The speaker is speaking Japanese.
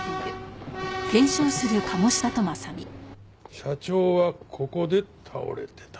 社長はここで倒れてた。